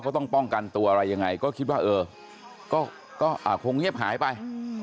เขาต้องป้องกันตัวอะไรยังไงก็คิดว่าเออก็คงเงียบหายไป